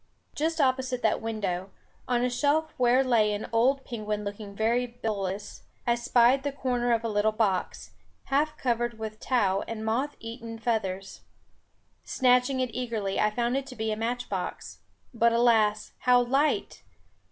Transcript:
Just opposite that window, on a shelf where lay an old Penguin looking very bilious, I spied the corner of a little box, half covered with tow and moth eaten feathers. Snatching it eagerly, I found it to be a match box. But alas, how light!